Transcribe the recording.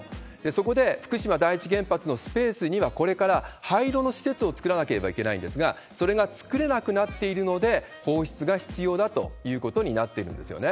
そこで、福島第一原発のスペースにはこれから廃炉の施設を作らなければいけないんですが、それが作れなくなっているので、放出が必要だということになっているんですよね。